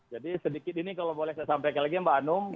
jadi sedikit ini kalau boleh saya sampaikan lagi mbak anung